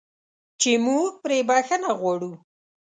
چې موږ پرې بخښنه غواړو.